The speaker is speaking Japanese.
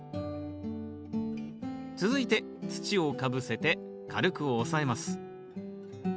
続いて土をかぶせて軽く押さえます。